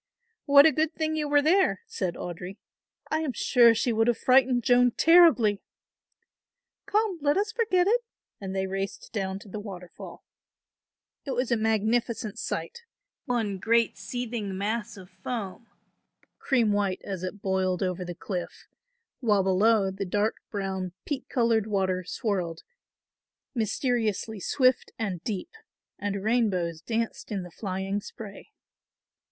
"What a good thing you were there," said Audry. "I am sure she would have frightened Joan terribly." "Come, let us forget it," and they raced down to the waterfall. It was a magnificent sight, one great seething mass of foam, cream white as it boiled over the cliff; while below, the dark brown peat coloured water swirled, mysteriously swift and deep, and rainbows danced in the flying spray.